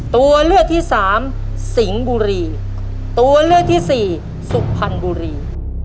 ตัวเลือกที่สามสิงห์บุรีตัวเลือกที่สี่สุพรรณบุรี